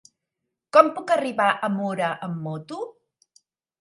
Com puc arribar a Mura amb moto?